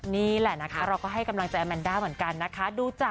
นี่แหละนะคะเราก็ให้กำลังใจอาแมนด้าเหมือนกันนะคะ